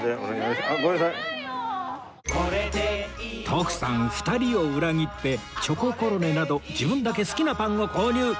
徳さん２人を裏切ってチョココロネなど自分だけ好きなパンを購入